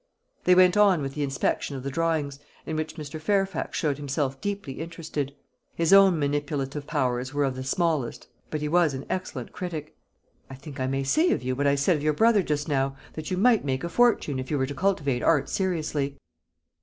They went on with the inspection of the drawings, in which Mr. Fairfax showed himself deeply interested. His own manipulative powers were of the smallest, but he was an excellent critic. "I think I may say of you what I said of your brother just now that you might make a fortune, if you were to cultivate art seriously."